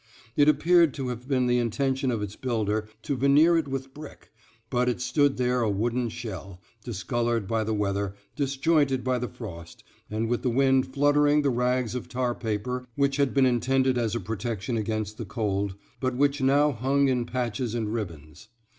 It appeared to have been the intention of its builder to veneer it with brick; but it stood there a wooden shell, discolored by the weather, disjointed by the frost, and with the wind fluttering the rags of tar paper which had been intended as a protection against the cold, but which now hung in patches and ribbons.